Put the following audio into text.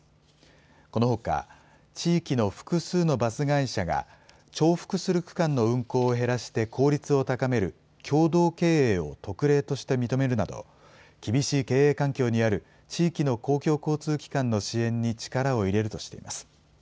このほか、地域の複数のバス会社が、重複する区間の運行を減らして効率を高める共同経営を特例として認めるなど、厳しい経営環境にある地域の公共交通機関の支援に力を入れるとしています。